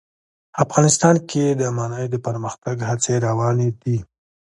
افغانستان کې د منی د پرمختګ هڅې روانې دي.